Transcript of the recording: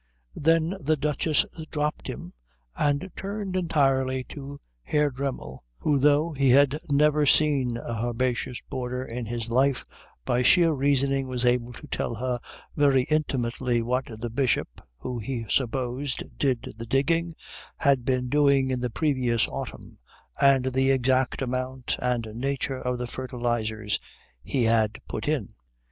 Then the Duchess dropped him and turned entirely to Herr Dremmel, who though he had never seen a herbaceous border in his life by sheer reasoning was able to tell her very intimately what the Bishop, who he supposed did the digging, had been doing to it the previous autumn, and the exact amount and nature of the fertilizers he had put in.